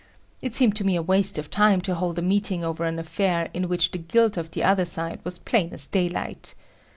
It seemed to me a waste of time to hold a meeting over an affair in which the guilt of the other side was plain as daylight.